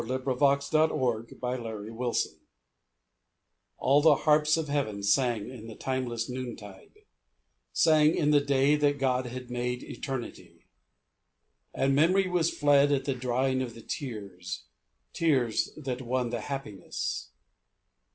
8i 'NIGHT IN HEAVEN All the harps of Heaven sang in the timeless noon tide, Sang in the day that God had made eternity ; And memory was fled at the drying of the tears, Tears that won the Happiness.